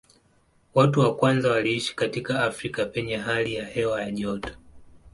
Watu wa kwanza waliishi katika Afrika penye hali ya hewa ya joto.